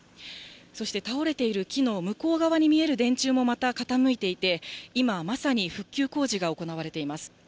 そして倒れている木の向こう側に見える電柱もまた傾いていて、今まさに、復旧工事が行われています。